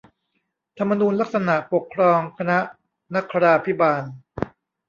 ธรรมนูญลักษณปกครองคณะนคราภิบาล